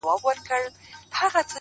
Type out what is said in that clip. زلفـي را تاوي کړي پــر خپلـو اوږو ـ